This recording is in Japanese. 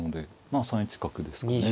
まあ３一角ですかね。